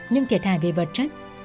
nhưng thiệt hại về vật chất